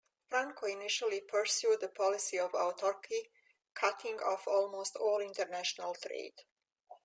Franco initially pursued a policy of autarky, cutting off almost all international trade.